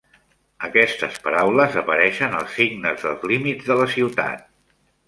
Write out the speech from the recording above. Aquestes paraules apareixen als signes dels límits de la ciutat.